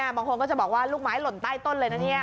บางคนก็จะบอกว่าลูกม้ายหล่นใต้ต้นเลย